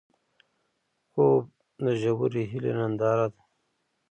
خوب د ژورې هیلې ننداره ده